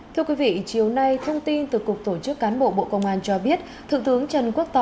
thưa quý vị chiều nay thông tin từ cục tổ chức cán bộ bộ công an cho biết thượng tướng trần quốc tỏ